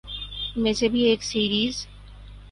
ان میں سے بھی ایک سیریز